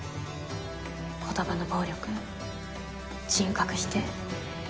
言葉の暴力人格否定。